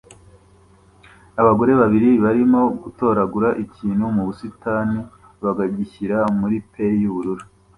Abagore babiri barimo gutoragura ikintu mu busitani bakagishyira muri pail y'ubururu